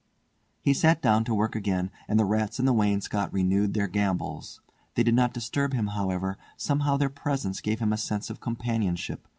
He sat down to work again, and the rats in the wainscot renewed their gambols. They did not disturb him, however; somehow their presence gave him a sense of companionship.